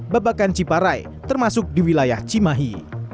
babakan ciparai termasuk di wilayah cimahi